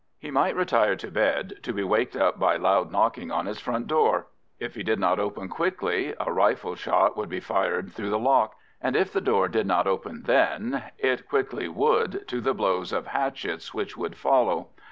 He might retire to bed to be waked up by loud knocking on his front door. If he did not open quickly a rifle shot would be fired through the lock, and if the door did not open then, it quickly would to the blows of hatchets which would follow.